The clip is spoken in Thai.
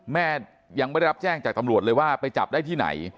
แม่ยังไม่ได้รับแจ้งจากตำรวจเลยว่าไปจับได้ที่ไหน